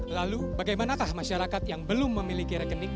lalu bagaimanakah masyarakat yang belum memiliki rekening